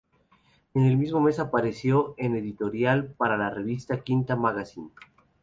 En el mismo mes apareció en un editorial para la revista V Magazine.